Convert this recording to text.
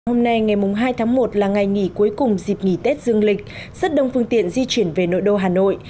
hôm nay ngày hai tháng một là ngày nghỉ cuối cùng dịp nghỉ tết dương lịch rất đông phương tiện di chuyển về nội đô hà nội